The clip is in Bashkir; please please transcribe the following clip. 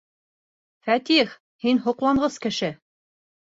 Фәтих, һин һоҡланғыс кеше!